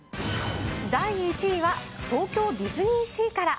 第１位は東京ディズニーシーから。